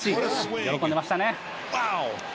喜んでましたね。